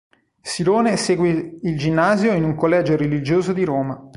Silone segue il ginnasio in un collegio religioso di Roma.